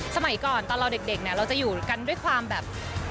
สมัยก่อนตอนเราเด็กเนี่ยเราจะอยู่กันด้วยความแบบ